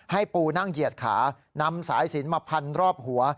ปูนั่งเหยียดขานำสายสินมาพันรอบหัว